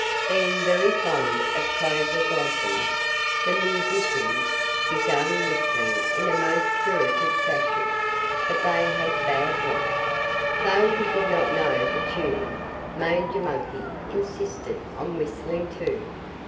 Being very fond of clover blossoms, the musicians began whistling in a most spirited fashion. But they had bad luck. Though he did not know the tune, Major Monkey insisted on whistling, too.